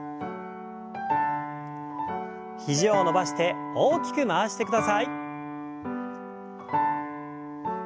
肘を伸ばして大きく回してください。